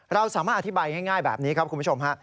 เราสามารถอธิบายง่ายแบบนี้ครับคุณผู้ชมฮะ